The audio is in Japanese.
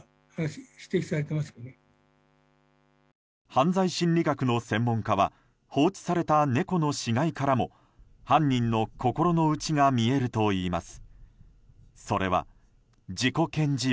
犯罪心理学の専門家は放置された猫の死骸からも犯人の心の内が見えるといいます。